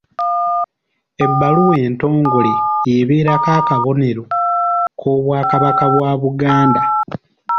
Ebbaluwa entongole ebeerako akabonero k’Obwakabaka bwa Buganda.